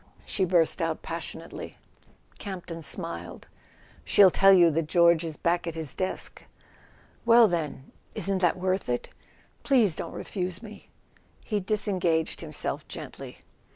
she burst out passionately. Camp ton smiled. " She'll tell you that George is back at his desk." "Well, then—isn't that worth it? Please don't refuse me!" He disengaged himself gently.